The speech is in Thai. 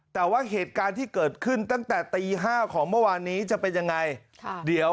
แต่ว่าเหตุการณ์ที่เกิดขึ้นตั้งแต่ตี๕ของเมื่อวานนี้จะเป็นยังไง